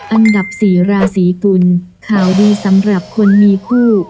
อันดับ๔ราศีกุลข่าวดีสำหรับคนมีคู่